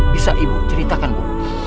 bisa ibu ceritakan bu